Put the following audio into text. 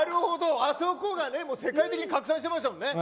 あそこが世界的に拡散してましたもんね。